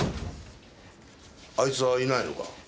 あいつはいないのか？